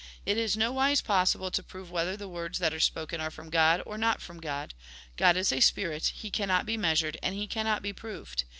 It is nowise possible to prove whether the words that are spoken are from God or not from God. God is a spirit ; He cannot be measured, and He cannot be proved.